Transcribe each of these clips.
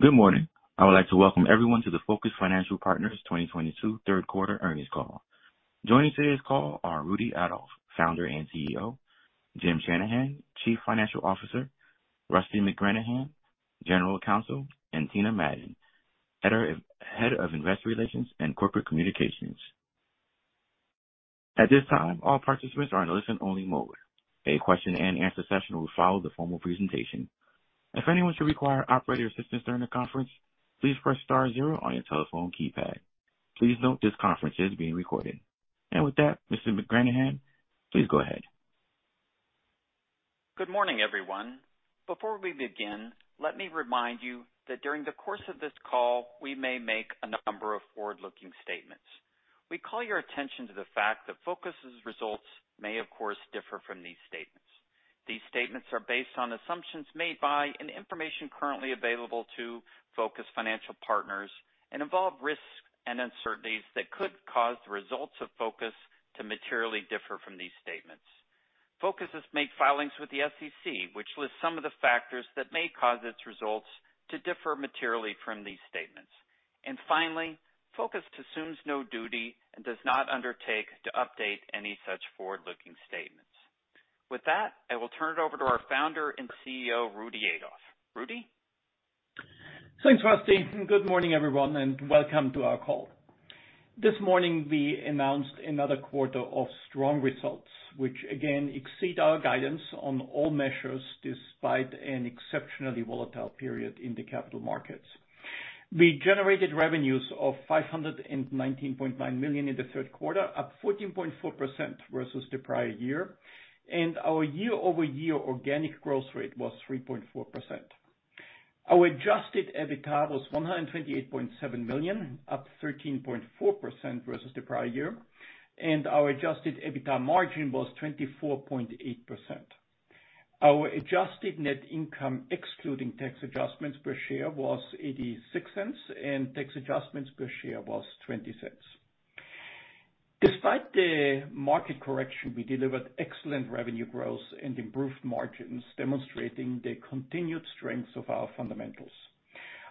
Good morning. I would like to welcome everyone to the Focus Financial Partners 2022 Third Quarter Earnings Call. Joining today's call are Rudy Adolf, founder and CEO, Jim Shanahan, Chief Financial Officer, Rusty McGranahan, General Counsel, and Tina Madon, head of Investor Relations and Corporate Communications. At this time, all participants are in a listen-only mode. A question-and-answer session will follow the formal presentation. If anyone should require operator assistance during the conference, please press star zero on your telephone keypad. Please note this conference is being recorded. With that, Mr. McGranahan, please go ahead. Good morning, everyone. Before we begin, let me remind you that during the course of this call, we may make a number of forward-looking statements. We call your attention to the fact that Focus' results may, of course, differ from these statements. These statements are based on assumptions made by and information currently available to Focus Financial Partners and involve risks and uncertainties that could cause the results of Focus to materially differ from these statements. Focus has made filings with the SEC, which lists some of the factors that may cause its results to differ materially from these statements. Finally, Focus assumes no duty and does not undertake to update any such forward-looking statements. With that, I will turn it over to our Founder and CEO, Rudy Adolf. Rudy. Thanks, Rusty, and good morning, everyone, and welcome to our call. This morning we announced another quarter of strong results, which again exceed our guidance on all measures despite an exceptionally volatile period in the capital markets. We generated revenues of $519.9 million in the third quarter, up 14.4% versus the prior year, and our year-over-year organic growth rate was 3.4%. Our Adjusted EBITDA was $128.7 million, up 13.4% versus the prior year, and our Adjusted EBITDA margin was 24.8%. Our adjusted net income, excluding tax adjustments per share, was $0.86, and tax adjustments per share was $0.20. Despite the market correction, we delivered excellent revenue growth and improved margins, demonstrating the continued strengths of our fundamentals.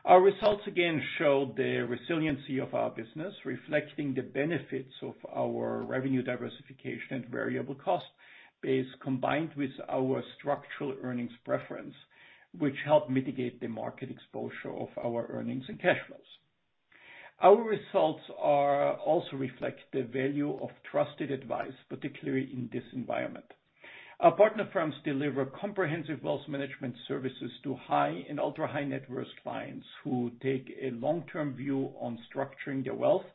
Our results again show the resiliency of our business, reflecting the benefits of our revenue diversification and variable cost base, combined with our structural earnings preference, which help mitigate the market exposure of our earnings and cash flows. Our results also reflect the value of trusted advice, particularly in this environment. Our partner firms deliver comprehensive wealth management services to high and ultra-high net worth clients who take a long-term view on structuring their wealth,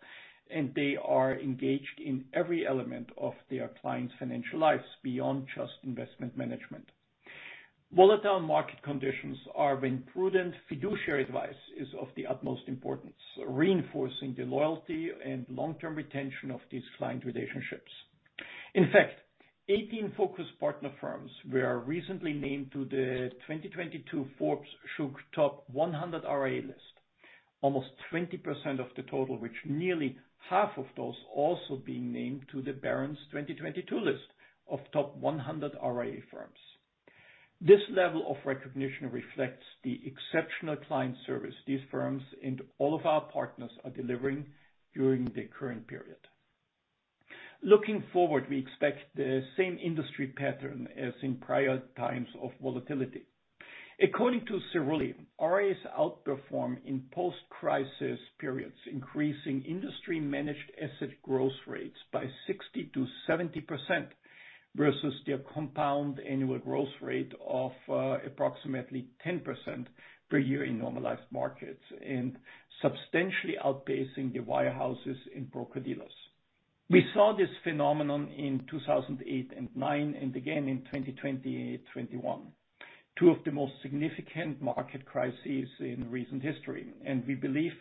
and they are engaged in every element of their clients' financial lives beyond just investment management. Volatile market conditions are when prudent fiduciary advice is of the utmost importance, reinforcing the loyalty and long-term retention of these client relationships. In fact, 18 Focus partner firms were recently named to the 2022 Forbes SHOOK Top 100 RIA list, almost 20% of the total, which nearly half of those also being named to the Barron's 2022 list of top 100 RIA firms. This level of recognition reflects the exceptional client service these firms and all of our partners are delivering during the current period. Looking forward, we expect the same industry pattern as in prior times of volatility. According to Cerulli, RIAs outperform in post-crisis periods, increasing industry managed asset growth rates by 60%-70% versus their compound annual growth rate of approximately 10% per year in normalized markets and substantially outpacing the wirehouses and broker-dealers. We saw this phenomenon in 2008 and 2009 and again in 2020, 2021, two of the most significant market crises in recent history. We believe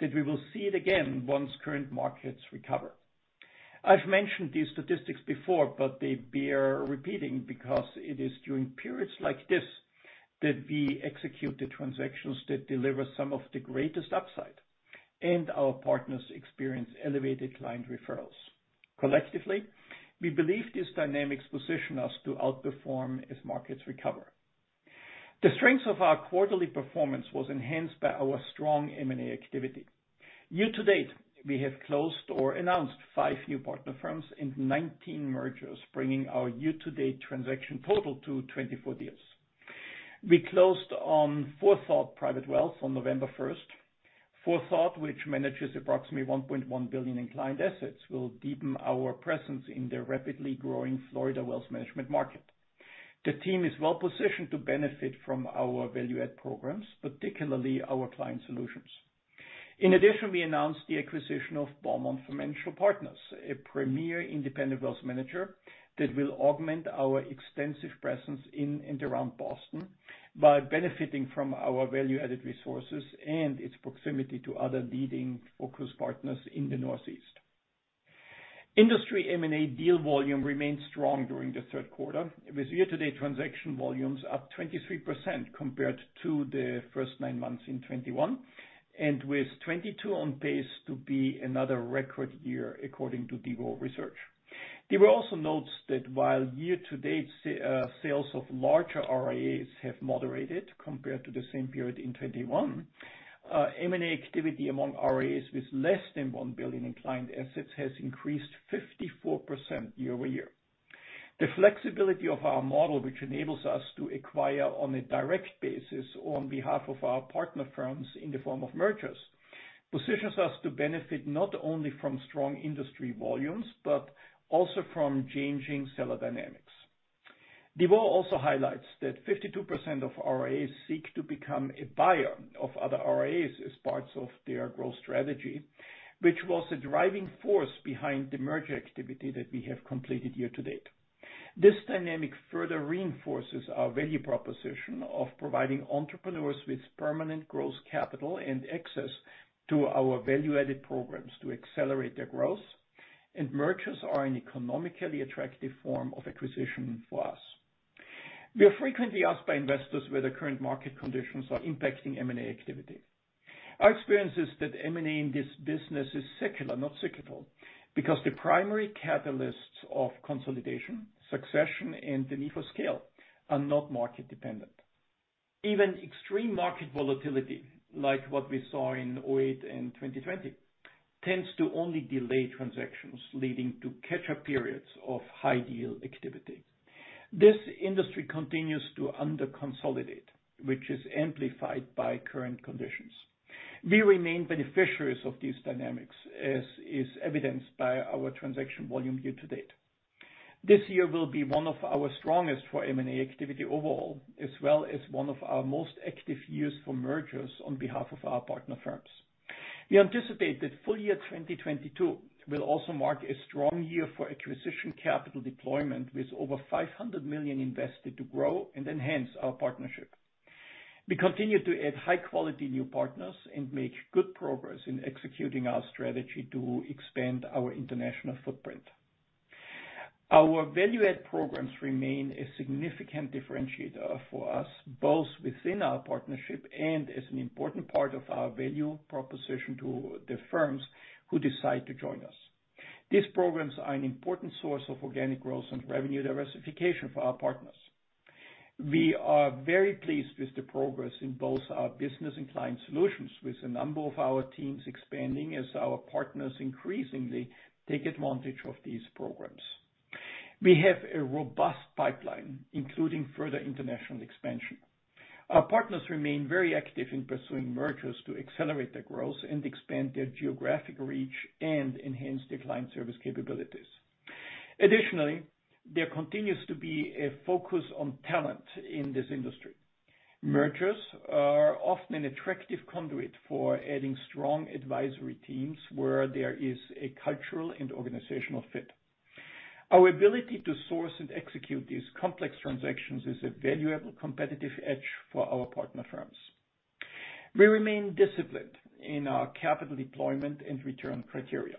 that we will see it again once current markets recover. I've mentioned these statistics before, but they bear repeating because it is during periods like this that we execute the transactions that deliver some of the greatest upside, and our partners experience elevated client referrals. Collectively, we believe these dynamics position us to outperform as markets recover. The strength of our quarterly performance was enhanced by our strong M&A activity. Year to date, we have closed or announced five new partner firms and 19 mergers, bringing our year-to-date transaction total to 24 deals. We closed on FourThought Private Wealth on November 1st. FourThought, which manages approximately $1.1 billion in client assets, will deepen our presence in the rapidly growing Florida wealth management market. The team is well positioned to benefit from our value add programs, particularly our client solutions. In addition, we announced the acquisition of Beaumont Financial Partners, a premier independent wealth manager that will augment our extensive presence in and around Boston by benefiting from our value-added resources and its proximity to other leading Focus partners in the Northeast. Industry M&A deal volume remained strong during the third quarter, with year-to-date transaction volumes up 23% compared to the first nine months in 2021, and with 2022 on pace to be another record year, according to DeVoe & Company. DeVoe & Company also notes that while year-to-date sales of larger RIAs have moderated compared to the same period in 2021, M&A activity among RIAs with less than $1 billion in client assets has increased 54% year-over-year. The flexibility of our model, which enables us to acquire on a direct basis on behalf of our partner firms in the form of mergers, positions us to benefit not only from strong industry volumes, but also from changing seller dynamics. DeVoe also highlights that 52% of RIAs seek to become a buyer of other RIAs as parts of their growth strategy, which was a driving force behind the merger activity that we have completed year to date. This dynamic further reinforces our value proposition of providing entrepreneurs with permanent growth capital and access to our value-added programs to accelerate their growth, and mergers are an economically attractive form of acquisition for us. We are frequently asked by investors whether current market conditions are impacting M&A activity. Our experience is that M&A in this business is secular, not cyclical, because the primary catalysts of consolidation, succession, and the need for scale are not market dependent. Even extreme market volatility, like what we saw in 2008 and 2020, tends to only delay transactions, leading to catch-up periods of high deal activity. This industry continues to under consolidate, which is amplified by current conditions. We remain beneficiaries of these dynamics, as is evidenced by our transaction volume year to date. This year will be one of our strongest for M&A activity overall, as well as one of our most active years for mergers on behalf of our partner firms. We anticipate that full year 2022 will also mark a strong year for acquisition capital deployment with over $500 million invested to grow and enhance our partnership. We continue to add high-quality new partners and make good progress in executing our strategy to expand our international footprint. Our value-add programs remain a significant differentiator for us, both within our partnership and as an important part of our value proposition to the firms who decide to join us. These programs are an important source of organic growth and revenue diversification for our partners. We are very pleased with the progress in both our business and client solutions, with a number of our teams expanding as our partners increasingly take advantage of these programs. We have a robust pipeline, including further international expansion. Our partners remain very active in pursuing mergers to accelerate their growth and expand their geographic reach and enhance their client service capabilities. Additionally, there continues to be a focus on talent in this industry. Mergers are often an attractive conduit for adding strong advisory teams where there is a cultural and organizational fit. Our ability to source and execute these complex transactions is a valuable competitive edge for our partner firms. We remain disciplined in our capital deployment and return criteria.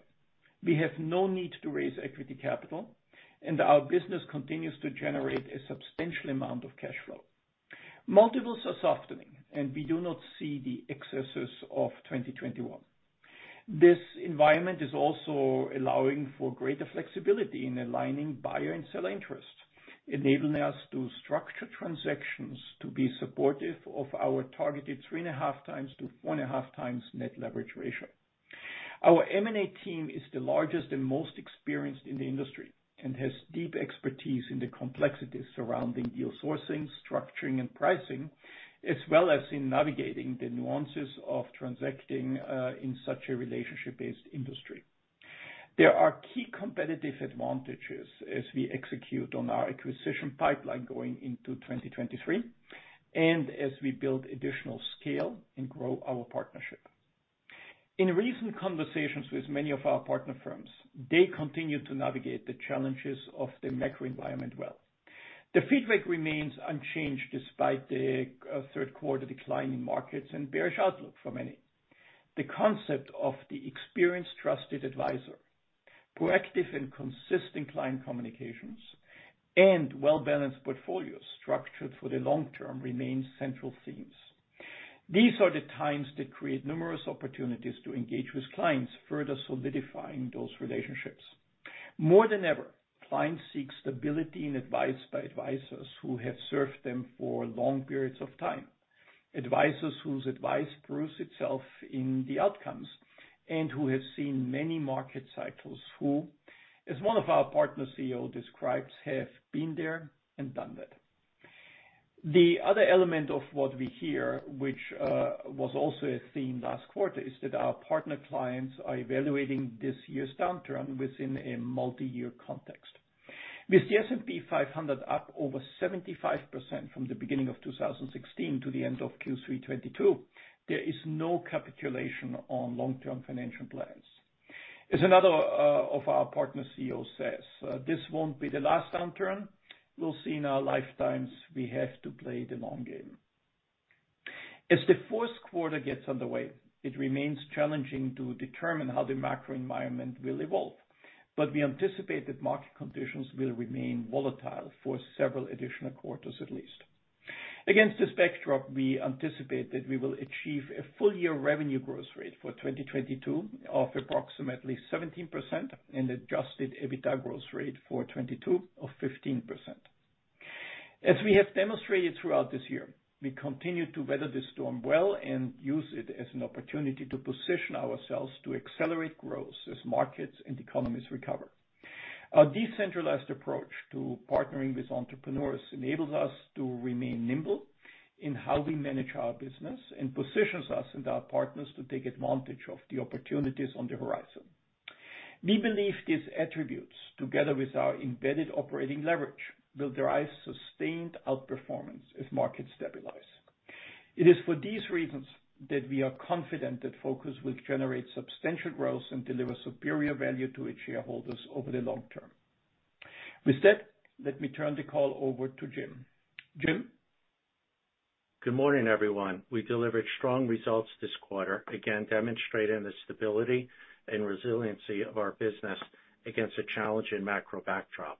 We have no need to raise equity capital, and our business continues to generate a substantial amount of cash flow. Multiples are softening, and we do not see the excesses of 2021. This environment is also allowing for greater flexibility in aligning buyer and seller interest, enabling us to structure transactions to be supportive of our targeted 3.5x-4.5x net leverage ratio. Our M&A team is the largest and most experienced in the industry and has deep expertise in the complexities surrounding deal sourcing, structuring and pricing, as well as in navigating the nuances of transacting in such a relationship-based industry. There are key competitive advantages as we execute on our acquisition pipeline going into 2023, and as we build additional scale and grow our partnership. In recent conversations with many of our partner firms, they continue to navigate the challenges of the macro environment well. The feedback remains unchanged despite the third quarter decline in markets and bearish outlook for many. The concept of the experienced, trusted advisor, proactive and consistent client communications, and well-balanced portfolios structured for the long term remain central themes. These are the times that create numerous opportunities to engage with clients, further solidifying those relationships. More than ever, clients seek stability and advice by advisors who have served them for long periods of time, advisors whose advice proves itself in the outcomes, and who have seen many market cycles, who, as one of our partner CEO describes, "Have been there and done that." The other element of what we hear, which was also a theme last quarter, is that our partner clients are evaluating this year's downturn within a multi-year context. With the S&P 500 up over 75% from the beginning of 2016 to the end of Q3 2022, there is no capitulation on long-term financial plans. As another of our partner CEO says, "This won't be the last downturn we'll see in our lifetimes. We have to play the long game. As the fourth quarter gets underway, it remains challenging to determine how the macro environment will evolve, but we anticipate that market conditions will remain volatile for several additional quarters at least. Against this backdrop, we anticipate that we will achieve a full-year revenue growth rate for 2022 of approximately 17% and Adjusted EBITDA growth rate for 2022 of 15%. As we have demonstrated throughout this year, we continue to weather this storm well and use it as an opportunity to position ourselves to accelerate growth as markets and economies recover. Our decentralized approach to partnering with entrepreneurs enables us to remain nimble in how we manage our business and positions us and our partners to take advantage of the opportunities on the horizon. We believe these attributes, together with our embedded operating leverage, will drive sustained outperformance as markets stabilize. It is for these reasons that we are confident that Focus will generate substantial growth and deliver superior value to its shareholders over the long term. With that, let me turn the call over to Jim. Jim? Good morning, everyone. We delivered strong results this quarter, again demonstrating the stability and resiliency of our business against a challenging macro backdrop.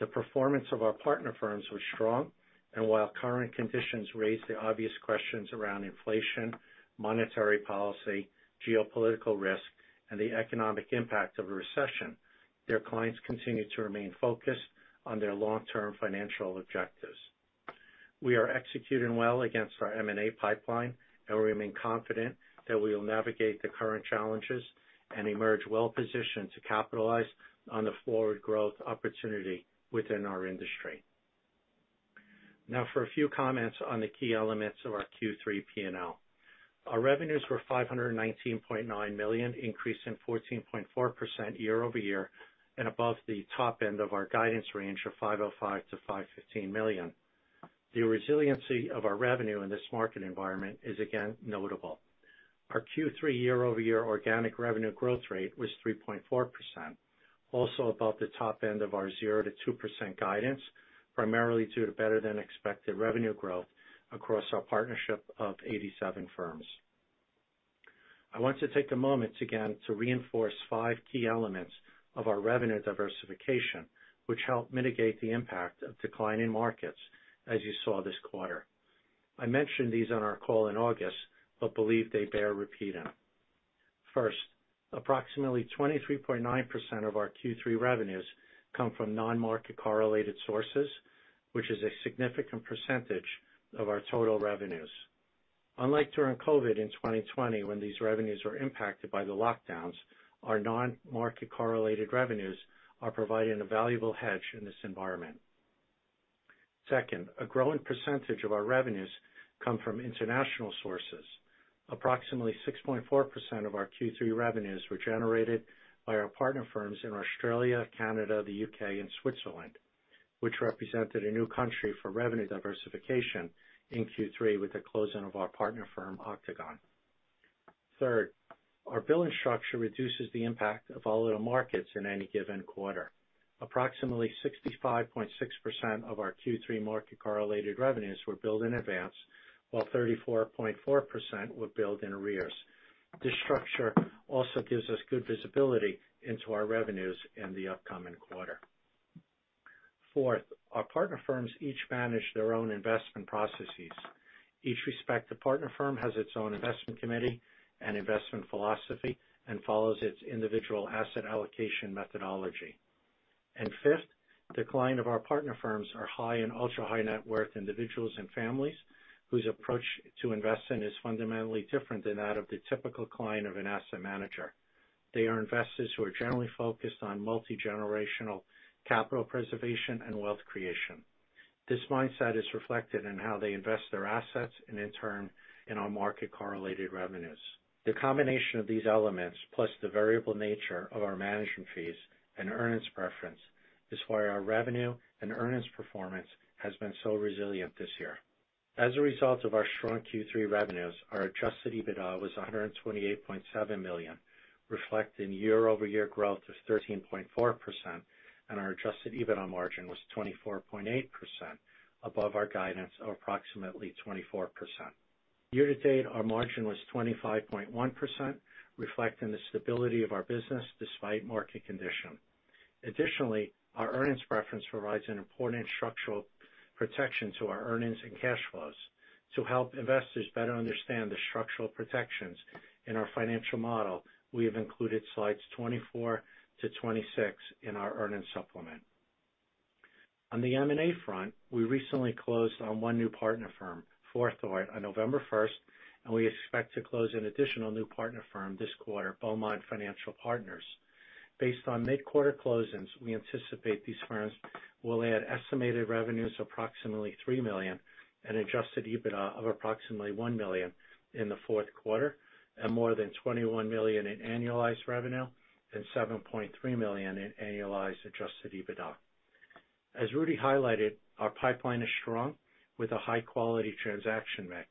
The performance of our partner firms was strong, and while current conditions raise the obvious questions around inflation, monetary policy, geopolitical risk, and the economic impact of a recession, their clients continue to remain focused on their long-term financial objectives. We are executing well against our M&A pipeline, and we remain confident that we will navigate the current challenges and emerge well-positioned to capitalize on the forward growth opportunity within our industry. Now for a few comments on the key elements of our Q3 P&L. Our revenues were $519.9 million, increasing 14.4% year-over-year and above the top end of our guidance range of $505 million-$515 million. The resiliency of our revenue in this market environment is again notable. Our Q3 year-over-year organic revenue growth rate was 3.4%, also above the top end of our 0%-2% guidance, primarily due to better-than-expected revenue growth across our partnership of 87 firms. I want to take a moment again to reinforce five key elements of our revenue diversification, which help mitigate the impact of declining markets as you saw this quarter. I mentioned these on our call in August, but believe they bear repeating. First, approximately 23.9% of our Q3 revenues come from non-market correlated sources, which is a significant percentage of our total revenues. Unlike during COVID in 2020, when these revenues were impacted by the lockdowns, our non-market correlated revenues are providing a valuable hedge in this environment. Second, a growing percentage of our revenues come from international sources. Approximately 6.4% of our Q3 revenues were generated by our partner firms in Australia, Canada, the U.K., and Switzerland, which represented a new country for revenue diversification in Q3 with the closing of our partner firm, Octogone. Third, our billing structure reduces the impact of volatile markets in any given quarter. Approximately 65.6% of our Q3 market-correlated revenues were billed in advance, while 34.4% were billed in arrears. This structure also gives us good visibility into our revenues in the upcoming quarter. Fourth, our partner firms each manage their own investment processes. Each respective partner firm has its own investment committee and investment philosophy and follows its individual asset allocation methodology. Fifth, the client of our partner firms are high and ultra-high net worth individuals and families whose approach to investing is fundamentally different than that of the typical client of an asset manager. They are investors who are generally focused on multi-generational capital preservation and wealth creation. This mindset is reflected in how they invest their assets and in turn, in our market-correlated revenues. The combination of these elements, plus the variable nature of our management fees and earnings preference, is why our revenue and earnings performance has been so resilient this year. As a result of our strong Q3 revenues, our Adjusted EBITDA was $128.7 million, reflecting year-over-year growth of 13.4%, and our Adjusted EBITDA margin was 24.8% above our guidance of approximately 24%. Year to date, our margin was 25.1%, reflecting the stability of our business despite market condition. Additionally, our earnings preference provides an important structural protection to our earnings and cash flows. To help investors better understand the structural protections in our financial model, we have included slides 24 to 26 in our earnings supplement. On the M&A front, we recently closed on one new partner firm, FourThought, on November first, and we expect to close an additional new partner firm this quarter, Beaumont Financial Partners. Based on mid-quarter closings, we anticipate these firms will add estimated revenues of approximately $3 million and Adjusted EBITDA of approximately $1 million in the fourth quarter and more than $21 million in annualized revenue and $7.3 million in annualized Adjusted EBITDA. As Rudy highlighted, our pipeline is strong with a high-quality transaction mix.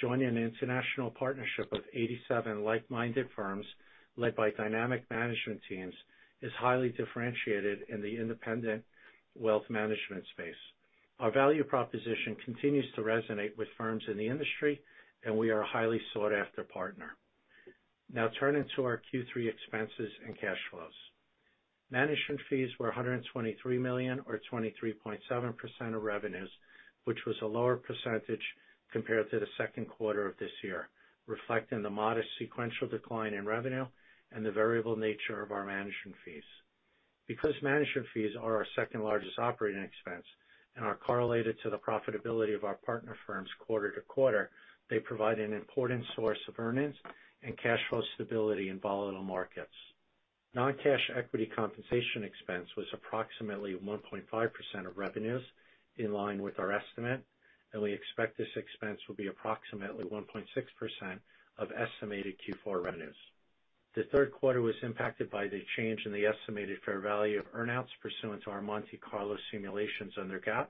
Joining an international partnership of 87 like-minded firms led by dynamic management teams is highly differentiated in the independent wealth management space. Our value proposition continues to resonate with firms in the industry, and we are a highly sought-after partner. Now turning to our Q3 expenses and cash flows. Management fees were $123 million or 23.7% of revenues, which was a lower percentage compared to the second quarter of this year, reflecting the modest sequential decline in revenue and the variable nature of our management fees. Because management fees are our second largest operating expense and are correlated to the profitability of our partner firms quarter to quarter, they provide an important source of earnings and cash flow stability in volatile markets. Non-cash equity compensation expense was approximately 1.5% of revenues, in line with our estimate, and we expect this expense will be approximately 1.6% of estimated Q4 revenues. The third quarter was impacted by the change in the estimated fair value of earn-outs pursuant to our Monte Carlo simulations under GAAP.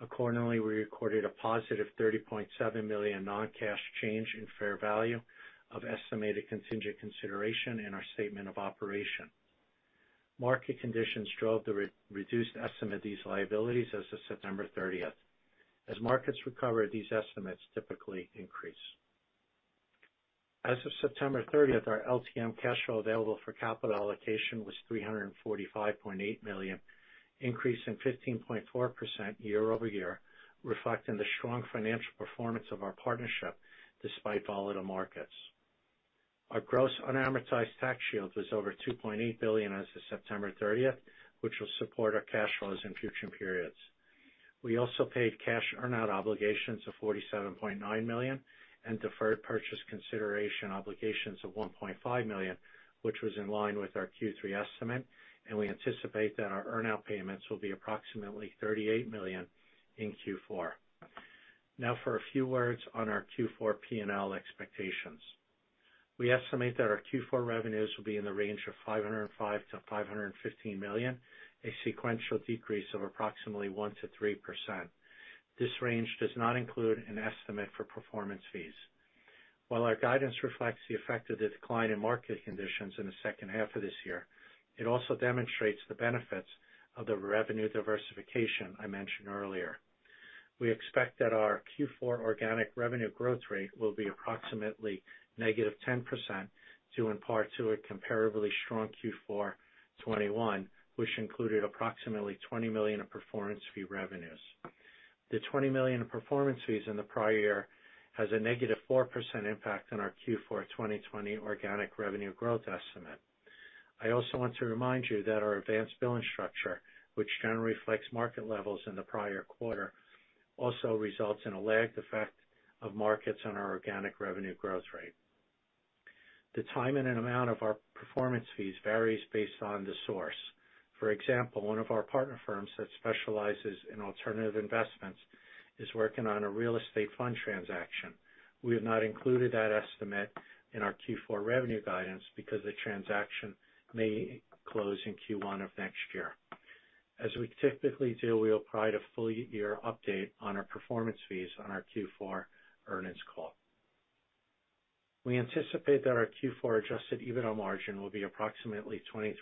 Accordingly, we recorded a positive $30.7 million non-cash change in fair value of estimated contingent consideration in our statement of operations. Market conditions drove the reduced estimate of these liabilities as of September 30th. As markets recover, these estimates typically increase. As of September 30th, our LTM cash flow available for capital allocation was $345.8 million, increasing 15.4% year-over-year, reflecting the strong financial performance of our partnership despite volatile markets. Our gross unamortized tax shield was over $2.8 billion as of September 30th, which will support our cash flows in future periods. We also paid cash earn-out obligations of $47.9 million and deferred purchase consideration obligations of $1.5 million, which was in line with our Q3 estimate, and we anticipate that our earn-out payments will be approximately $38 million in Q4. Now for a few words on our Q4 P&L expectations. We estimate that our Q4 revenues will be in the range of $505 million-$515 million, a sequential decrease of approximately 1%-3%. This range does not include an estimate for performance fees. While our guidance reflects the effect of the decline in market conditions in the second half of this year, it also demonstrates the benefits of the revenue diversification I mentioned earlier. We expect that our Q4 organic revenue growth rate will be approximately negative 10% due in part to a comparably strong Q4 2021, which included approximately $20 million of performance fee revenues. The $20 million in performance fees in the prior year has a negative 4% impact on our Q4 2020 organic revenue growth estimate. I also want to remind you that our advanced billing structure, which generally reflects market levels in the prior quarter, also results in a lagged effect of markets on our organic revenue growth rate. The timing and amount of our performance fees varies based on the source. For example, one of our partner firms that specializes in alternative investments is working on a real estate fund transaction. We have not included that estimate in our Q4 revenue guidance because the transaction may close in Q1 of next year. As we typically do, we'll provide a full year update on our performance fees on our Q4 earnings call. We anticipate that our Q4 Adjusted EBITDA margin will be approximately 23%,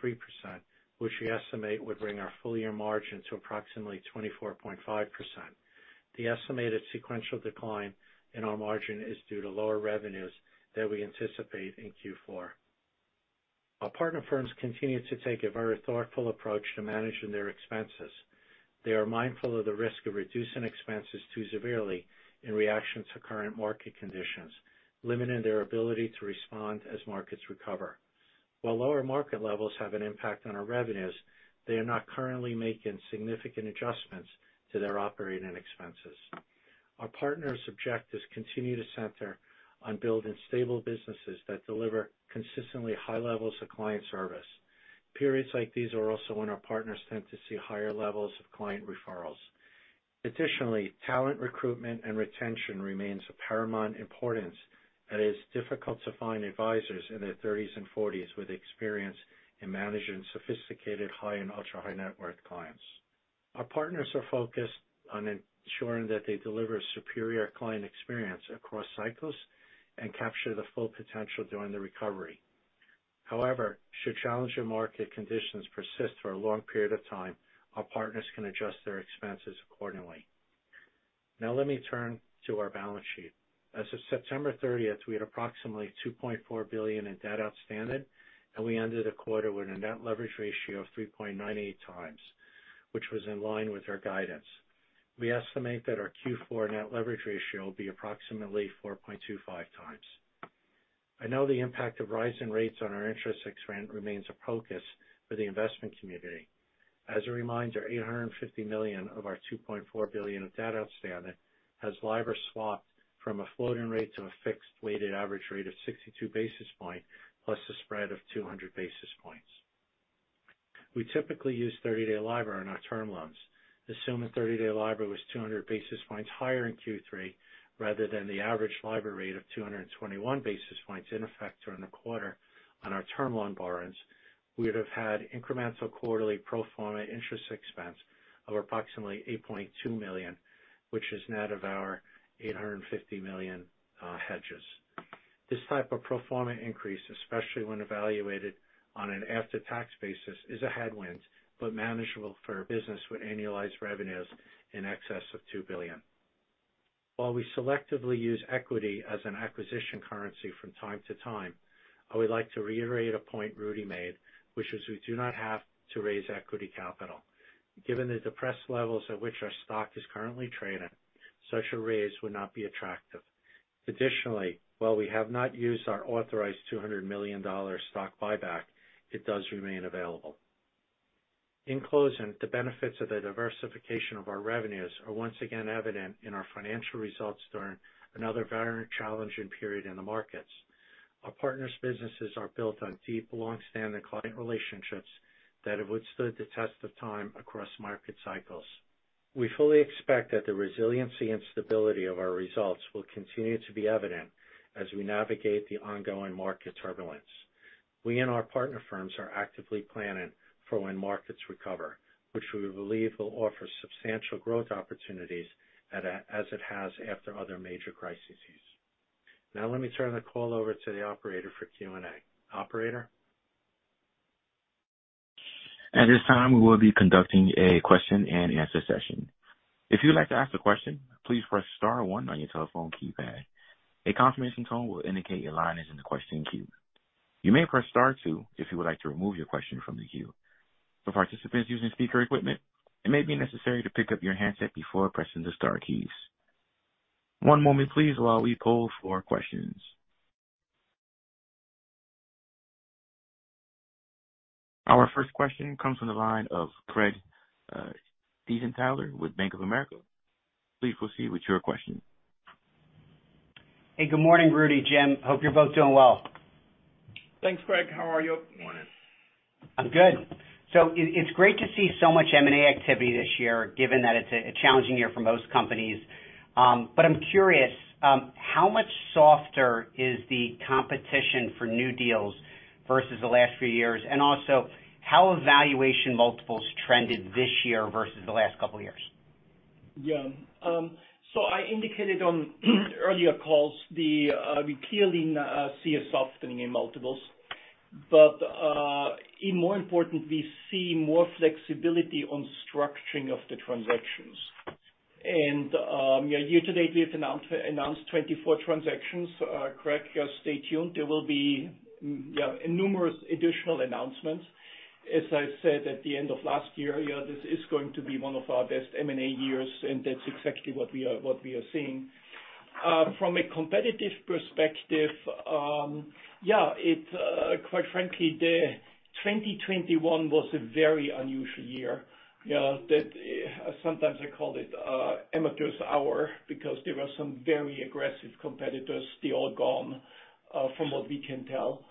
which we estimate would bring our full year margin to approximately 24.5%. The estimated sequential decline in our margin is due to lower revenues that we anticipate in Q4. Our partner firms continue to take a very thoughtful approach to managing their expenses. They are mindful of the risk of reducing expenses too severely in reaction to current market conditions, limiting their ability to respond as markets recover. While lower market levels have an impact on our revenues, they are not currently making significant adjustments to their operating expenses. Our partners' objectives continue to center on building stable businesses that deliver consistently high levels of client service. Periods like these are also when our partners tend to see higher levels of client referrals. Additionally, talent recruitment and retention remains of paramount importance, and it is difficult to find advisors in their 30s and 40s with experience in managing sophisticated high and ultra-high net worth clients. Our partners are focused on ensuring that they deliver superior client experience across cycles and capture the full potential during the recovery. However, should challenging market conditions persist for a long period of time, our partners can adjust their expenses accordingly. Now let me turn to our balance sheet. As of September 30th, we had approximately $2.4 billion in debt outstanding, and we ended the quarter with a net leverage ratio of 3.98x, which was in line with our guidance. We estimate that our Q4 net leverage ratio will be approximately 4.25x. I know the impact of rising rates on our interest expense remains a focus for the investment community. As a reminder, $850 million of our $2.4 billion of debt outstanding has LIBOR swapped from a floating rate to a fixed weighted average rate of 62 basis points plus a spread of 200 basis points. We typically use 30-day LIBOR on our term loans. Assume a 30-day LIBOR was 200 basis points higher in Q3 rather than the average LIBOR rate of 221 basis points in effect during the quarter on our term loan borrowings, we would have had incremental quarterly pro forma interest expense of approximately $8.2 million, which is net of our $850 million hedges. This type of pro forma increase, especially when evaluated on an after-tax basis, is a headwind, but manageable for a business with annualized revenues in excess of $2 billion. While we selectively use equity as an acquisition currency from time to time, I would like to reiterate a point Rudy made, which is we do not have to raise equity capital. Given the depressed levels at which our stock is currently trading, such a raise would not be attractive. Additionally, while we have not used our authorized $200 million stock buyback, it does remain available. In closing, the benefits of the diversification of our revenues are once again evident in our financial results during another very challenging period in the markets. Our partners' businesses are built on deep, long-standing client relationships that have withstood the test of time across market cycles. We fully expect that the resiliency and stability of our results will continue to be evident as we navigate the ongoing market turbulence. We and our partner firms are actively planning for when markets recover, which we believe will offer substantial growth opportunities as it has after other major crises. Now let me turn the call over to the operator for Q&A. Operator? At this time, we will be conducting a question-and-answer session. If you would like to ask a question, please press star one on your telephone keypad. A confirmation tone will indicate your line is in the question queue. You may press star two if you would like to remove your question from the queue. For participants using speaker equipment, it may be necessary to pick up your handset before pressing the star keys. One moment please while we poll for questions. Our first question comes from the line of Craig Siegenthaler with Bank of America. Please proceed with your question. Hey, good morning, Rudy, Jim. Hope you're both doing well. Thanks, Craig. How are you? Morning. I'm good. It's great to see so much M&A activity this year, given that it's a challenging year for most companies. But I'm curious, how much softer is the competition for new deals versus the last few years? Also, how have valuation multiples trended this year versus the last couple years? Yeah. So I indicated on earlier calls the we clearly see a softening in multiples. And more important, we see more flexibility on structuring of the transactions. Year-to-date, we have announced 24 transactions. Craig, stay tuned. There will be, yeah, numerous additional announcements. As I said at the end of last year, you know, this is going to be one of our best M&A years, and that's exactly what we are seeing. From a competitive perspective, yeah, it's quite frankly, 2021 was a very unusual year. Yeah, that sometimes I call it amateur's hour because there were some very aggressive competitors. They're all gone from what we can tell.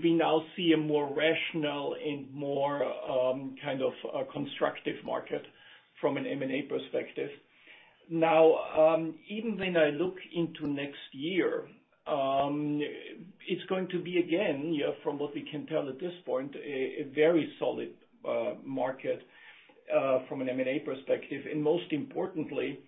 We now see a more rational and more kind of constructive market from an M&A perspective. Now, even when I look into next year, it's going to be again, you know, from what we can tell at this point, a very solid market from an M&A perspective. Most importantly,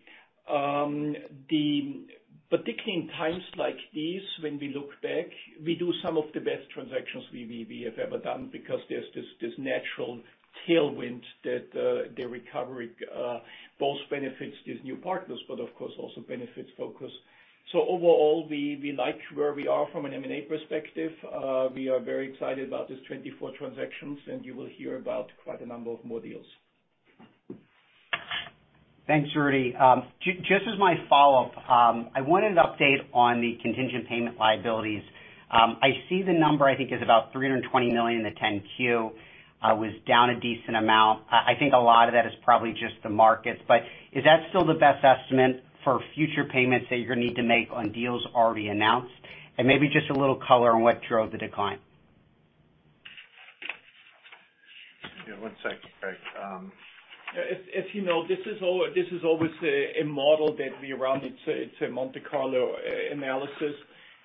particularly in times like these, when we look back, we do some of the best transactions we have ever done because there's this natural tailwind that the recovery both benefits these new partners, but of course also benefits Focus. Overall, we like where we are from an M&A perspective. We are very excited about these 24 transactions, and you will hear about quite a number of more deals. Thanks, Rudy. Just as my follow-up, I wanted an update on the contingent payment liabilities. I see the number I think is about $320 million in the 10-Q, was down a decent amount. I think a lot of that is probably just the markets. Is that still the best estimate for future payments that you're gonna need to make on deals already announced? Maybe just a little color on what drove the decline. Yeah, one second, Craig. As you know, this is always a model that we run. It's a Monte Carlo analysis.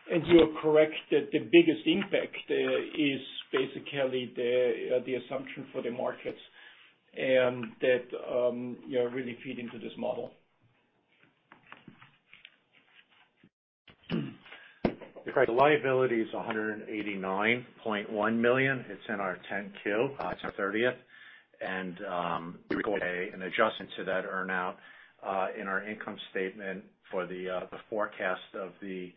You are correct that the biggest impact is basically the assumption for the markets that you know really feed into this model. Craig Siegenthaler, the liability is $189.1 million. It's in our 10-Q, September 30th. We record an adjustment to that earn-out in our income statement for the forecast of the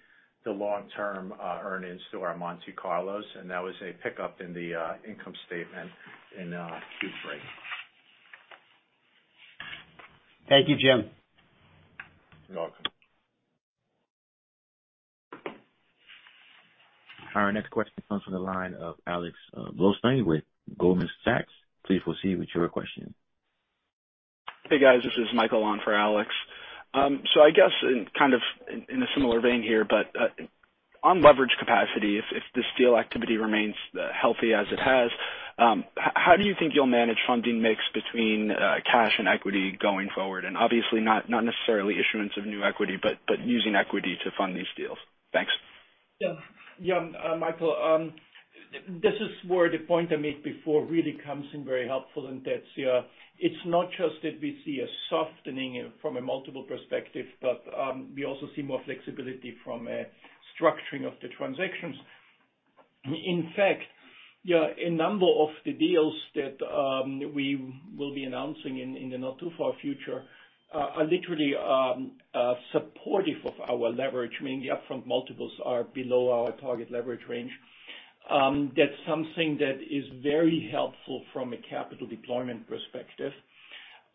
long-term earnings through our Monte Carlo, and that was a pickup in the income statement in Q3. Thank you, Jim. You're welcome. Our next question comes from the line of Alex Blostein with Goldman Sachs. Please proceed with your question. Hey, guys, this is Michael on for Alex. So I guess in a similar vein here, but on leverage capacity, if this deal activity remains healthy as it has, how do you think you'll manage funding mix between cash and equity going forward? Obviously not necessarily issuance of new equity, but using equity to fund these deals. Thanks. Michael, this is where the point I made before really comes in very helpful, and that's, yeah, it's not just that we see a softening from a multiple perspective, but we also see more flexibility from a structuring of the transactions. In fact, yeah, a number of the deals that we will be announcing in the not too far future are literally supportive of our leverage, meaning the upfront multiples are below our target leverage range. That's something that is very helpful from a capital deployment perspective.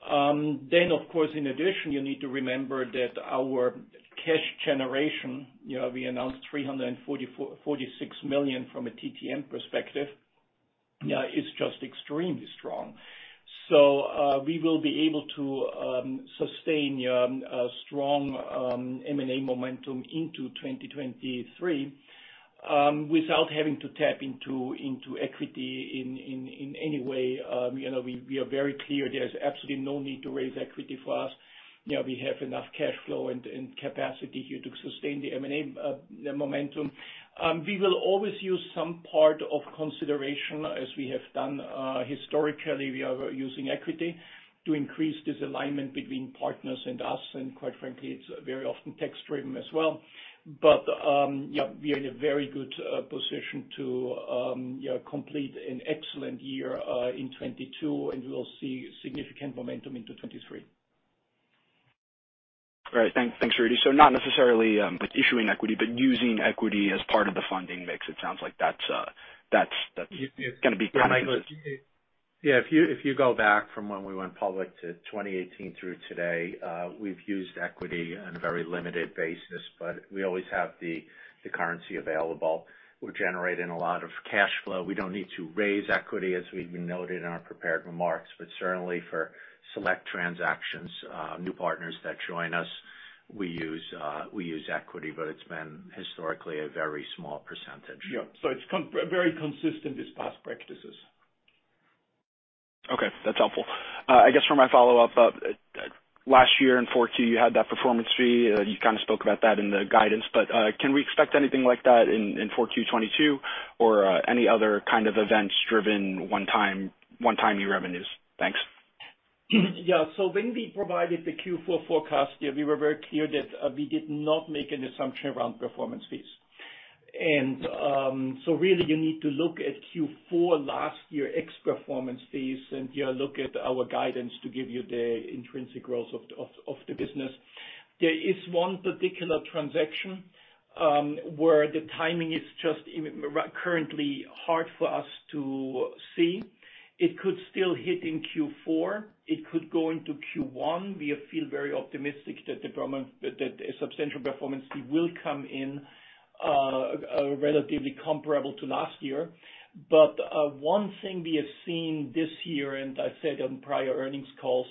Then of course, in addition, you need to remember that our cash generation, you know, we announced $344-$346 million from a TTM perspective, yeah, is just extremely strong. We will be able to sustain a strong M&A momentum into 2023 without having to tap into equity in any way. You know, we are very clear there's absolutely no need to raise equity for us. You know, we have enough cash flow and capacity here to sustain the M&A momentum. We will always use some part of consideration as we have done historically. We are using equity to increase this alignment between partners and us, and quite frankly, it's very often tax-driven as well. Yeah, we are in a very good position to you know, complete an excellent year in 2022, and we will see significant momentum into 2023. All right. Thanks, Rudy. Not necessarily issuing equity, but using equity as part of the funding mix. It sounds like that's gonna be kind of. Yeah, Michael, yeah, if you go back from when we went public to 2018 through today, we've used equity on a very limited basis, but we always have the currency available. We're generating a lot of cash flow. We don't need to raise equity, as we've noted in our prepared remarks, but certainly for select transactions, new partners that join us, we use equity, but it's been historically a very small percentage. Yeah. It's very consistent with past practices. Okay. That's helpful. I guess for my follow-up, last year in Q4, you had that performance fee. You kind of spoke about that in the guidance, but can we expect anything like that in Q4 2022 or any other kind of event-driven one-time revenues? Thanks. Yeah. When we provided the Q4 forecast, yeah, we were very clear that we did not make an assumption around performance fees. Really you need to look at Q4 last year ex performance fees and, you know, look at our guidance to give you the intrinsic growth of the business. There is one particular transaction where the timing is just even currently hard for us to see. It could still hit in Q4. It could go into Q1. We feel very optimistic that a substantial performance fee will come in relatively comparable to last year. One thing we have seen this year, and I've said on prior earnings calls,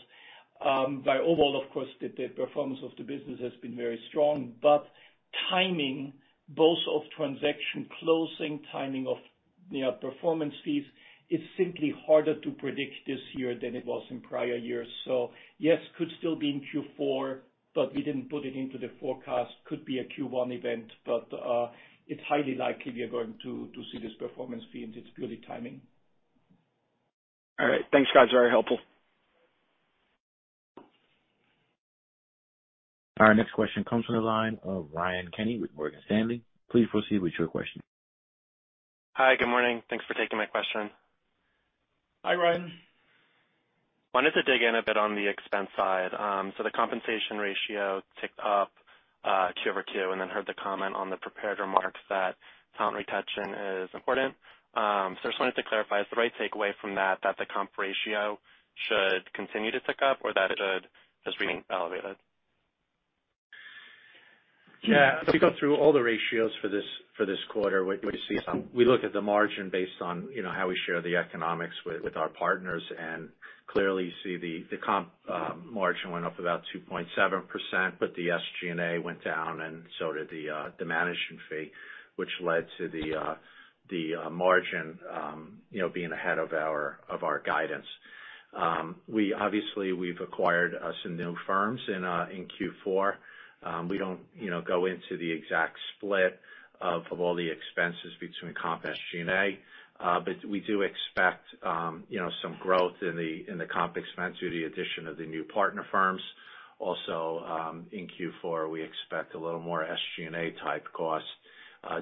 but overall, of course, the performance of the business has been very strong. Timing, both of transaction closing, timing of, you know, performance fees is simply harder to predict this year than it was in prior years. Yes, could still be in Q4, but we didn't put it into the forecast. Could be a Q1 event. It's highly likely we are going to see this performance fee and it's purely timing. All right. Thanks, guys. Very helpful. Our next question comes from the line of Ryan Kenny with Morgan Stanley. Please proceed with your question. Hi, good morning. Thanks for taking my question. Hi, Ryan. Wanted to dig in a bit on the expense side. The compensation ratio ticked up two over two, and then heard the comment on the prepared remarks that talent retention is important. I just wanted to clarify, is the right takeaway from that the comp ratio should continue to tick up or that it should just remain elevated? Yeah. If you go through all the ratios for this quarter, we look at the margin based on, you know, how we share the economics with our partners, and clearly you see the comp margin went up about 2.7%, but the SG&A went down and so did the management fee, which led to the margin, you know, being ahead of our guidance. We obviously have acquired some new firms in Q4. We don't, you know, go into the exact split of all the expenses between comp, SG&A, but we do expect, you know, some growth in the comp expense due to the addition of the new partner firms. Also, in Q4, we expect a little more SG&A type costs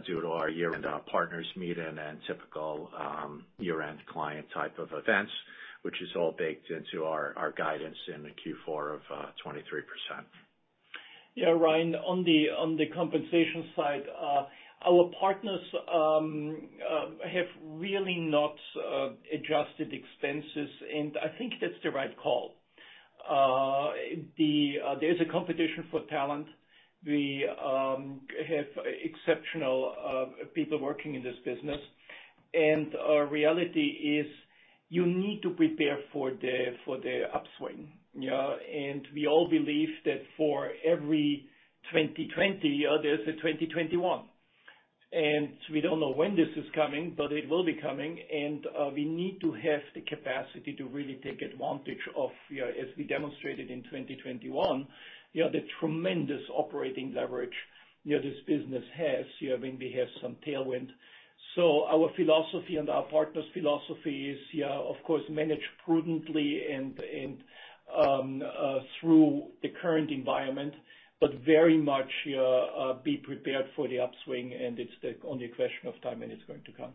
due to our year-end partners meeting and typical year-end client type of events, which is all baked into our guidance in the Q4 of 23%. Yeah, Ryan, on the compensation side, our partners have really not adjusted expenses, and I think that's the right call. There's a competition for talent. We have exceptional people working in this business. Our reality is you need to prepare for the upswing, you know? We all believe that for every 2020, there's a 2021. We don't know when this is coming, but it will be coming. We need to have the capacity to really take advantage of, you know, as we demonstrated in 2021, you know, the tremendous operating leverage, you know, this business has, you know, when we have some tailwind. Our philosophy and our partners' philosophy is, yeah, of course, manage prudently and through the current environment, but very much be prepared for the upswing, and it's only a question of time, and it's going to come.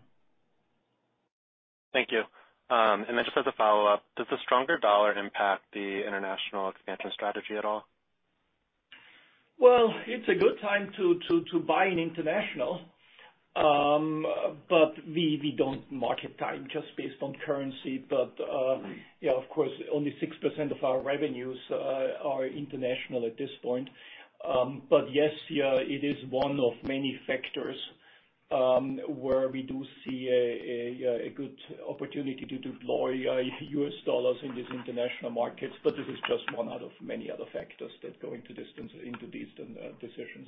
Thank you. Just as a follow-up, does the stronger dollar impact the international expansion strategy at all? Well, it's a good time to buy in international. We don't market time just based on currency. Yeah, of course, only 6% of our revenues are international at this point. Yes, yeah, it is one of many factors where we do see a good opportunity due to lower U.S. dollar in these international markets. It is just one out of many other factors that go into these decisions.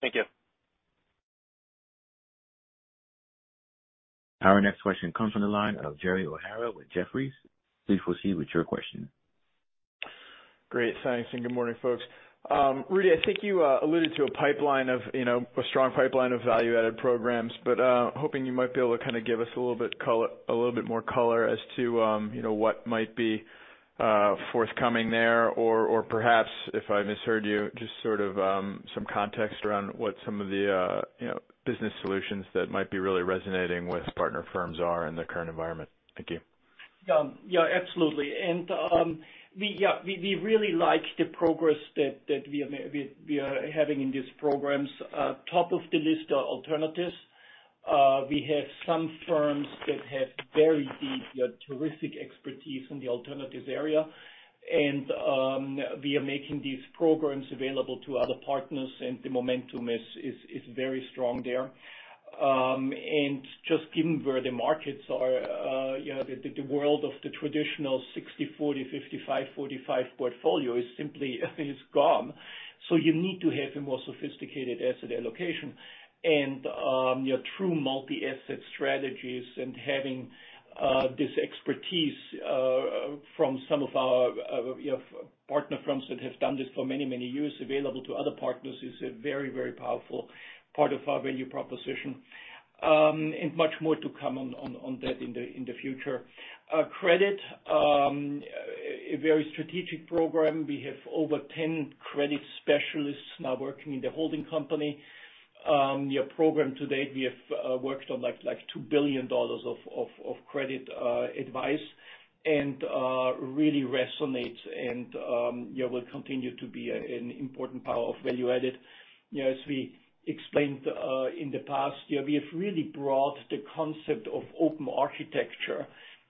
Thank you. Our next question comes from the line of Gerald O'Hara with Jefferies. Please proceed with your question. Great. Thanks, and good morning, folks. Rudy, I think you alluded to a pipeline of, you know, a strong pipeline of value-added programs. Hoping you might be able to kinda give us a little bit more color as to, you know, what might be forthcoming there. Or perhaps, if I misheard you, just sort of some context around what some of the, you know, business solutions that might be really resonating with partner firms are in the current environment. Thank you. Yeah, absolutely. We really like the progress that we are having in these programs. Top of the list are alternatives. We have some firms that have very deep, terrific expertise in the alternatives area. We are making these programs available to other partners, and the momentum is very strong there. Just given where the markets are, you know, the world of the traditional 60/40, 55/45 portfolio is simply gone, so you need to have a more sophisticated asset allocation. Your true multi-asset strategies and having this expertise from some of our, you know, partner firms that have done this for many, many years available to other partners is a very, very powerful part of our value proposition. Much more to come on that in the future. Credit, a very strategic program. We have over 10 credit specialists now working in the holding company. Your program to date, we have worked on like $2 billion of credit advice and really resonates and will continue to be an important part of value added. You know, as we explained in the past, we have really brought the concept of open architecture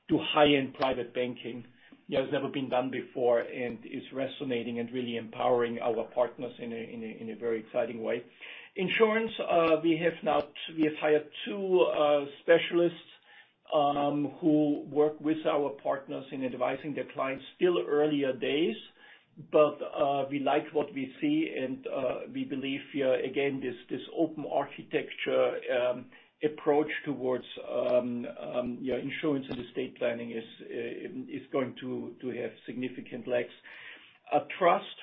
to high-end private banking, you know, has never been done before and is resonating and really empowering our partners in a very exciting way. Insurance, we have now hired two specialists who work with our partners in advising their clients. Still earlier days, but we like what we see, and we believe, again, this open architecture approach towards insurance and estate planning is going to have significant legs. Trust,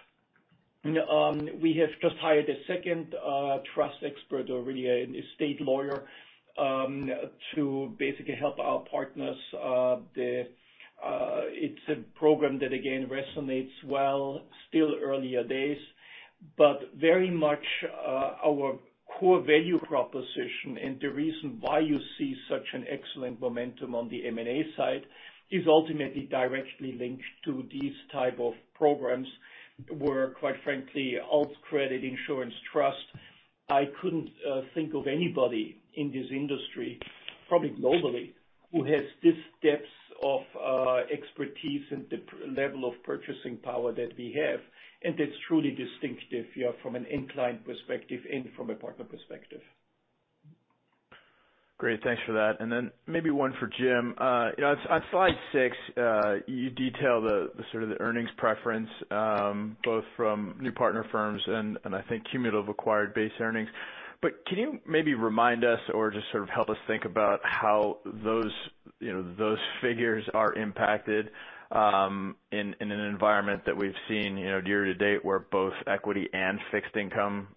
we have just hired a second trust expert, or really an estate lawyer, to basically help our partners. It's a program that again resonates well. Still earlier days, but very much our core value proposition and the reason why you see such an excellent momentum on the M&A side is ultimately directly linked to these type of programs where, quite frankly, alt credit, insurance, trust, I couldn't think of anybody in this industry, probably globally, who has this depth of expertise and the premier level of purchasing power that we have. That's truly distinctive, yeah, from an end client perspective and from a partner perspective. Great. Thanks for that. Maybe one for Jim. You know, on slide six, you detail the sort of the earnings preference, both from new partner firms and I think cumulative acquired base earnings. Can you maybe remind us or just sort of help us think about how those, you know, those figures are impacted, in an environment that we've seen, you know, year to date, where both equity and fixed income,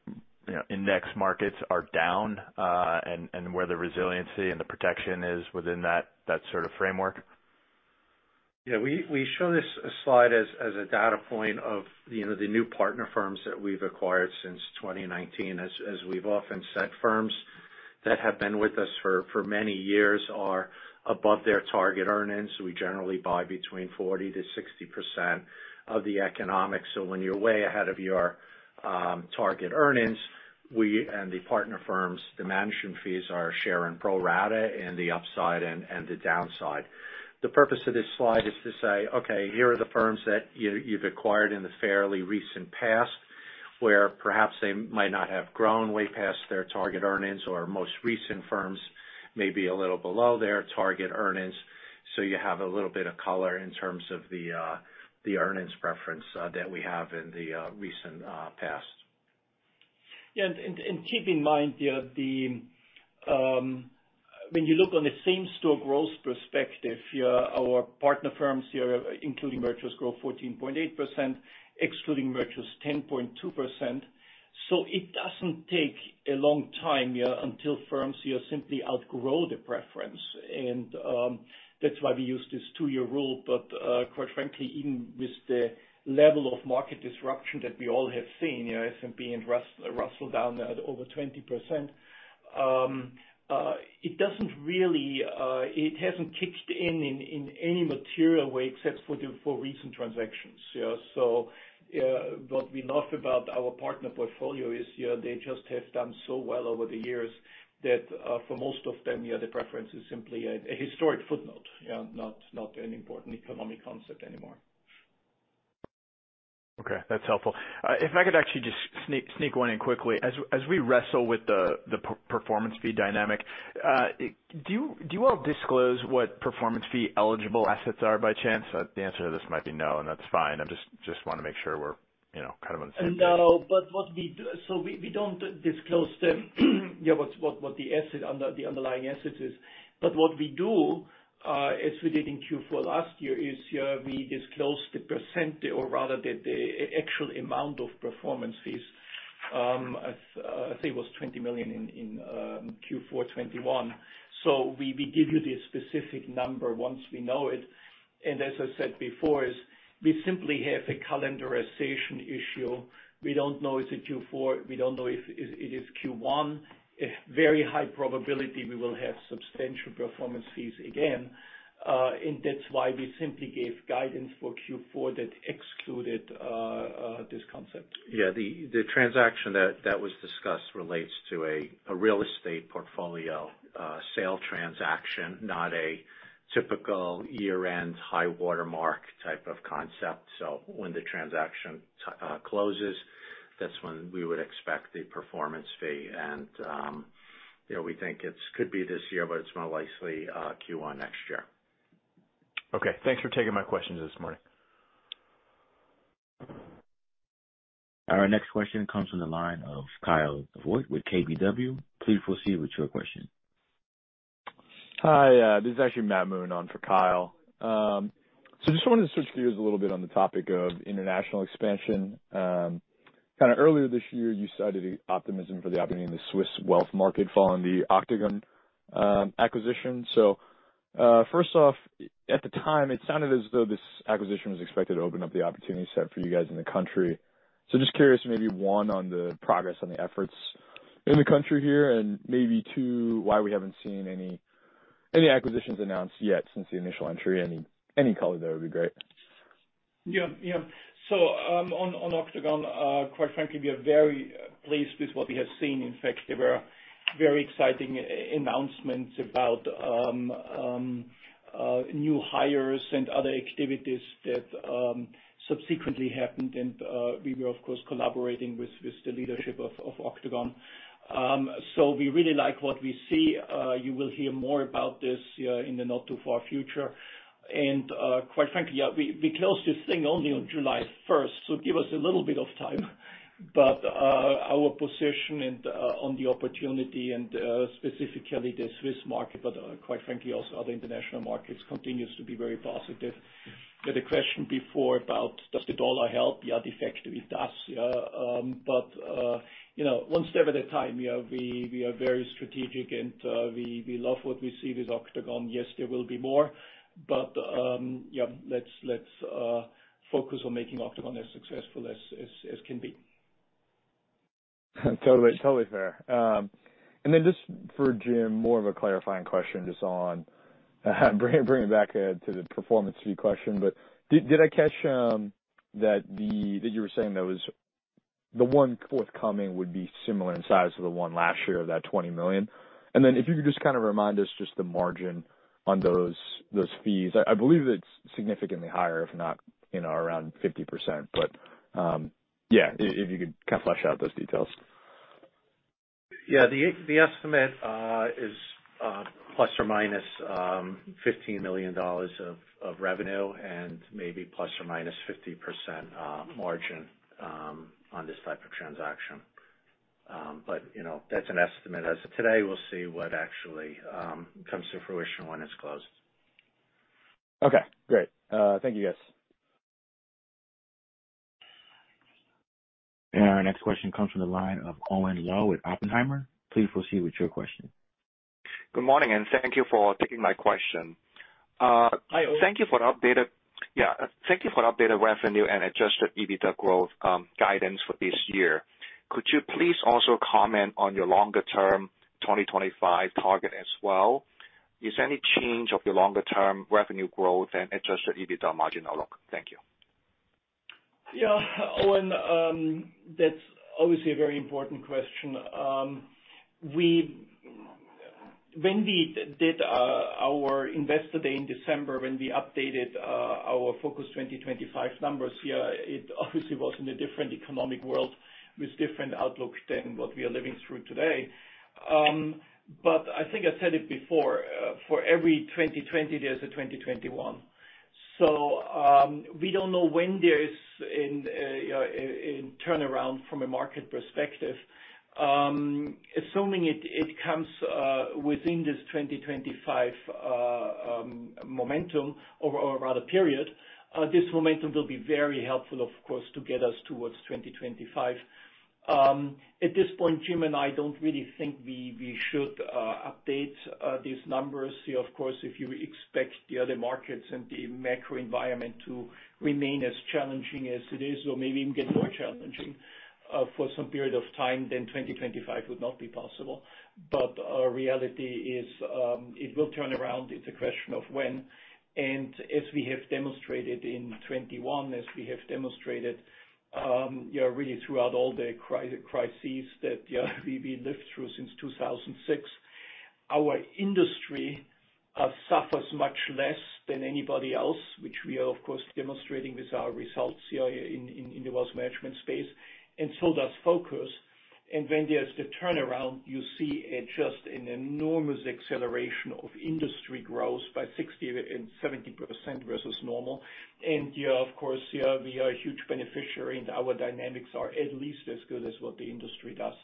you know, index markets are down, and where the resiliency and the protection is within that sort of framework? Yeah. We show this slide as a data point of, you know, the new partner firms that we've acquired since 2019. As we've often said, firms that have been with us for many years are above their target earnings. We generally buy between 40%-60% of the economics. When you're way ahead of your target earnings, we and the partner firms, the management fees are shared in pro rata in the upside and the downside. The purpose of this slide is to say, okay, here are the firms that you've acquired in the fairly recent past, where perhaps they might not have grown way past their target earnings or most recent firms may be a little below their target earnings. You have a little bit of color in terms of the earnings preference that we have in the recent past. Yeah. Keep in mind, when you look on the same-store growth perspective, yeah, our partner firms here, including mergers, grow 14.8%, excluding mergers, 10.2%. It doesn't take a long time, yeah, until firms here simply outgrow the preference. That's why we use this two-year rule. Quite frankly, even with the level of market disruption that we all have seen, you know, S&P and Russell down at over 20%. It doesn't really, it hasn't kicked in in any material way except for recent transactions. Yeah, what we love about our partner portfolio is, yeah, they just have done so well over the years that, for most of them, yeah, the preference is simply a historic footnote. Yeah, not an important economic concept anymore. Okay, that's helpful. If I could actually just sneak one in quickly. As we wrestle with the performance fee dynamic, do you all disclose what performance fee eligible assets are by chance? The answer to this might be no, and that's fine. I just wanna make sure we're, you know, kind of on the same page. No, what we do. We don't disclose what the underlying assets is. What we do, as we did in Q4 last year, is we disclose the percent or rather the actual amount of performance fees. I think it was $20 million in Q4 2021. We give you the specific number once we know it. As I said before, we simply have a calendarization issue. We don't know if it's a Q4, we don't know if it is Q1. A very high probability we will have substantial performance fees again, and that's why we simply gave guidance for Q4 that excluded this concept. Yeah. The transaction that was discussed relates to a real estate portfolio sale transaction, not a typical year-end high watermark type of concept. When the transaction closes, that's when we would expect the performance fee and, you know, we think it's could be this year, but it's more likely Q1 next year. Okay. Thanks for taking my questions this morning. Our next question comes from the line of Kyle Voigt with KBW. Please proceed with your question. Hi, this is actually Matthew Moon on for Kyle. Just wanted to switch gears a little bit on the topic of international expansion. Kinda earlier this year, you cited optimism for the opportunity in the Swiss wealth market following the Octogone acquisition. First off, at the time, it sounded as though this acquisition was expected to open up the opportunity set for you guys in the country. Just curious, maybe one, on the progress on the efforts in the country here, and maybe two, why we haven't seen any acquisitions announced yet since the initial entry. Any color there would be great. On Octogone, quite frankly, we are very pleased with what we have seen. In fact, there were very exciting announcements about new hires and other activities that subsequently happened. We were of course collaborating with the leadership of Octogone. We really like what we see. You will hear more about this in the not too far future. Quite frankly, we closed this thing only on July first, so give us a little bit of time. Our position on the opportunity and specifically the Swiss market, but quite frankly, also other international markets continues to be very positive. To the question before about does the U.S. dollar help? Yeah, de facto it does. You know, one step at a time. Yeah, we are very strategic and we love what we see with Octogone. Yes, there will be more. Yeah, let's focus on making Octogone as successful as can be. Totally. Totally fair. Just for Jim, more of a clarifying question just on bringing it back to the performance fee question. Did I catch that you were saying that the one forthcoming would be similar in size to the one last year, that $20 million? And then if you could just kinda remind us just the margin on those fees. I believe it's significantly higher, if not, you know, around 50%. Yeah, if you could kinda flesh out those details. Yeah. The estimate is ±$15 million of revenue and maybe ±50% margin on this type of transaction. You know, that's an estimate as of today. We'll see what actually comes to fruition when it's closed. Okay, great. Thank you guys. Our next question comes from the line of Kwun Lau with Oppenheimer. Please proceed with your question. Good morning, and thank you for taking my question. Hi, Kwun. Thank you for updated revenue and Adjusted EBITDA growth guidance for this year. Could you please also comment on your longer term 2025 target as well? Is there any change of your longer term revenue growth and Adjusted EBITDA margin outlook? Thank you. Yeah. Kwun, that's obviously a very important question. When we did our investor day in December, when we updated our Focus 2025 numbers, yeah, it obviously was in a different economic world with different outlook than what we are living through today. I think I said it before, for every 2020, there's a 2021. We don't know when there's a turnaround from a market perspective. Assuming it comes within this 2025 momentum or rather period, this momentum will be very helpful, of course, to get us towards 2025. At this point, Jim and I don't really think we should update these numbers. See, of course, if you expect the other markets and the macro environment to remain as challenging as it is or maybe even get more challenging for some period of time, then 2025 would not be possible. Our reality is, it will turn around. It's a question of when. As we have demonstrated in 2021, really throughout all the crises that we lived through since 2006, our industry suffers much less than anybody else, which we are of course demonstrating with our results here in the wealth management space, and so does Focus. When there's the turnaround, you see just an enormous acceleration of industry growth by 60% and 70% versus normal. Yeah, of course, yeah, we are a huge beneficiary, and our dynamics are at least as good as what the industry does.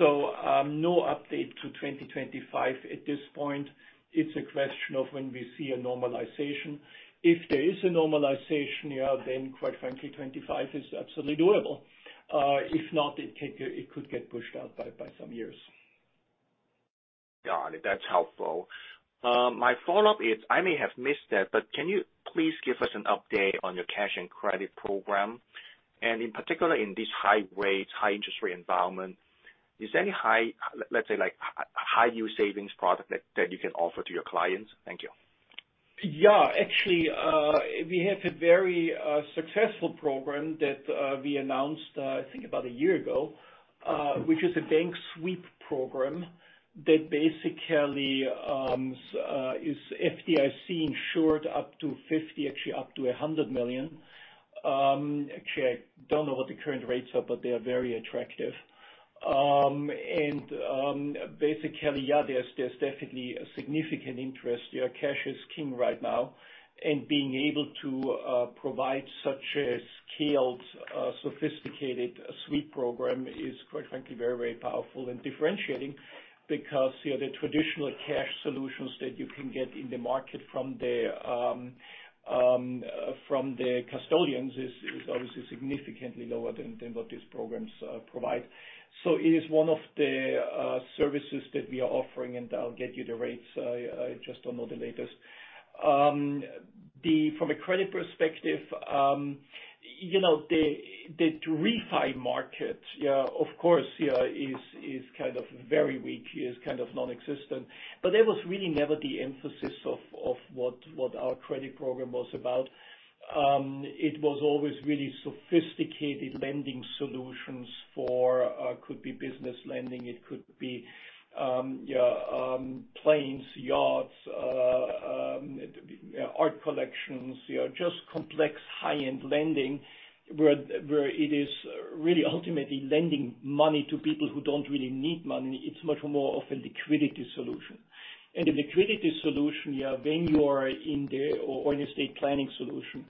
No update to 2025 at this point. It's a question of when we see a normalization. If there is a normalization, yeah, then quite frankly, 2025 is absolutely doable. If not, it could get pushed out by some years. Got it. That's helpful. My follow-up is, I may have missed it, but can you please give us an update on your cash and credit program? In particular, in this high rates, high interest rate environment, is there any, let's say like, high yield savings product that you can offer to your clients? Thank you. Yeah. Actually, we have a very successful program that we announced, I think about a year ago, which is a bank sweep program that basically is FDIC-insured up to $50, actually up to $100 million. Actually, I don't know what the current rates are, but they are very attractive. Basically, yeah, there's definitely a significant interest. Yeah, cash is king right now, and being able to provide such a scaled sophisticated sweep program is quite frankly very, very powerful and differentiating because, you know, the traditional cash solutions that you can get in the market from the custodians is obviously significantly lower than what these programs provide. It is one of the services that we are offering, and I'll get you the rates. I just don't know the latest. From a credit perspective, you know, the refi market is kind of very weak, kind of non-existent, but that was really never the emphasis of what our credit program was about. It was always really sophisticated lending solutions for could be business lending, it could be planes, yachts, art collections, you know, just complex high-end lending where it is really ultimately lending money to people who don't really need money. It's much more of a liquidity solution. A liquidity solution or an estate planning solution.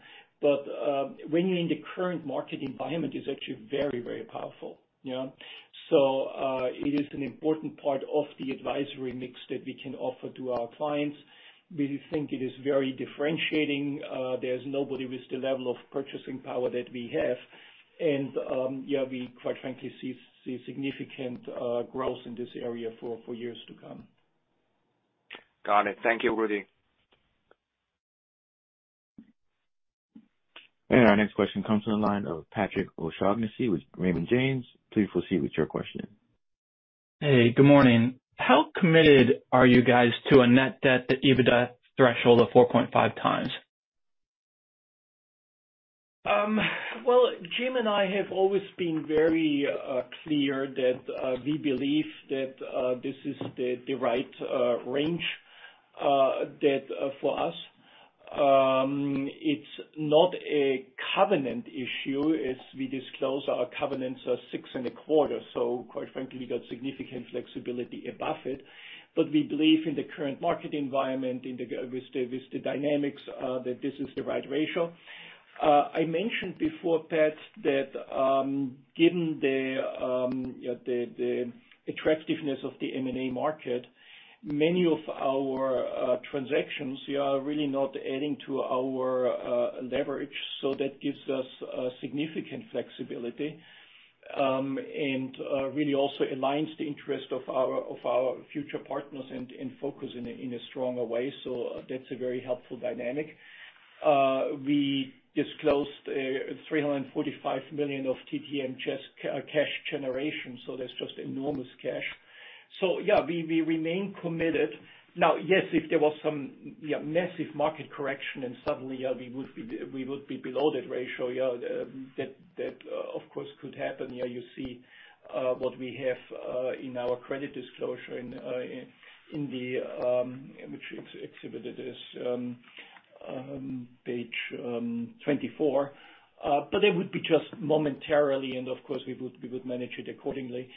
When you're in the current market environment, it's actually very powerful. It is an important part of the advisory mix that we can offer to our clients. We think it is very differentiating. There's nobody with the level of purchasing power that we have. We quite frankly see significant growth in this area for years to come. Got it. Thank you, Rudy. Our next question comes from the line of Patrick O'Shaughnessy with Raymond James. Please proceed with your question. Hey, good morning. How committed are you guys to a net debt to EBITDA threshold of 4.5x? Well, Jim and I have always been very clear that we believe that this is the right range of debt for us. It's not a covenant issue, as we disclose our covenants are 6.25. Quite frankly, we got significant flexibility above it. We believe in the current market environment with the dynamics that this is the right ratio. I mentioned before, Pat, that given the attractiveness of the M&A market, many of our transactions are really not adding to our leverage, so that gives us significant flexibility and really also aligns the interest of our future partners and Focus in a stronger way. That's a very helpful dynamic. We disclosed $345 million of TTM cash generation, so that's just enormous cash. Yeah, we remain committed. Now, yes, if there was some massive market correction and suddenly we would be below that ratio, that of course could happen. Yeah, you see, what we have in our credit disclosure in the, let me see, exhibit, it is page 24. It would be just momentarily, and of course, we would manage it accordingly.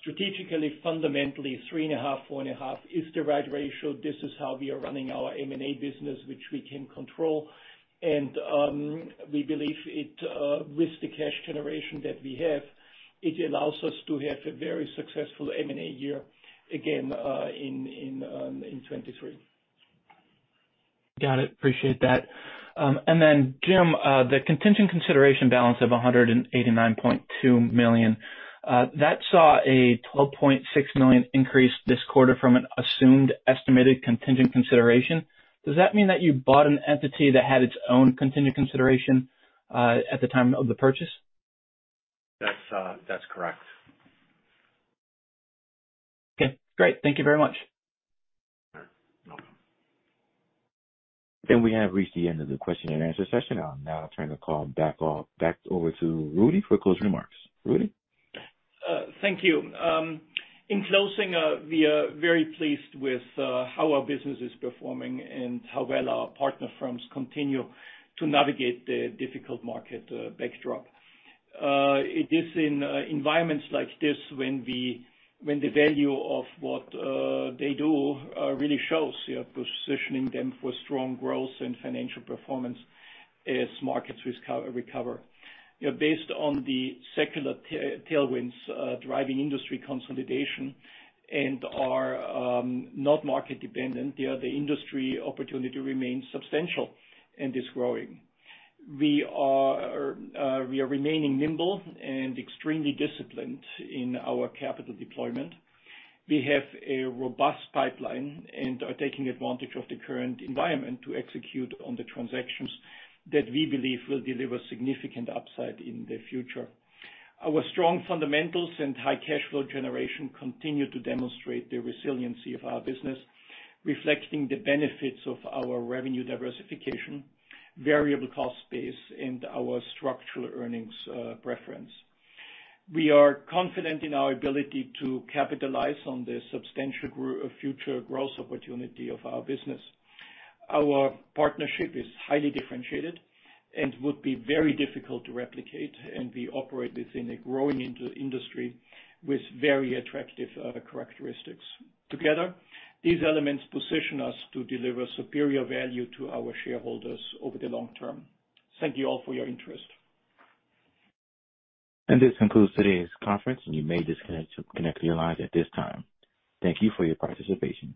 Strategically, fundamentally, 3.5-4.5 is the right ratio. This is how we are running our M&A business, which we can control. We believe it with the cash generation that we have. It allows us to have a very successful M&A year again in 2023. Got it. Appreciate that. Jim, the contingent consideration balance of $189.2 million that saw a $12.6 million increase this quarter from an assumed estimated contingent consideration. Does that mean that you bought an entity that had its own contingent consideration at the time of the purchase? That's correct. Okay, great. Thank you very much. You're welcome. We have reached the end of the question and answer session. I'll now turn the call back over to Rudy for closing remarks. Rudy? Thank you. In closing, we are very pleased with how our business is performing and how well our partner firms continue to navigate the difficult market backdrop. It is in environments like this when the value of what they do really shows, you know, positioning them for strong growth and financial performance as markets recover. You know, based on the secular tailwinds driving industry consolidation and are not market dependent, yeah, the industry opportunity remains substantial and is growing. We are remaining nimble and extremely disciplined in our capital deployment. We have a robust pipeline and are taking advantage of the current environment to execute on the transactions that we believe will deliver significant upside in the future. Our strong fundamentals and high cash flow generation continue to demonstrate the resiliency of our business, reflecting the benefits of our revenue diversification, variable cost base, and our structural earnings preference. We are confident in our ability to capitalize on the substantial future growth opportunity of our business. Our partnership is highly differentiated and would be very difficult to replicate, and we operate within a growing industry with very attractive characteristics. Together, these elements position us to deliver superior value to our shareholders over the long term. Thank you all for your interest. This concludes today's conference. You may disconnect your lines at this time. Thank you for your participation.